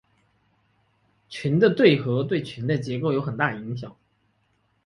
群的对合对群的结构有很大影响。